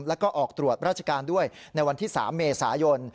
แล้วก็ออกตรวจราชการด้วยในวันที่๓เมษายน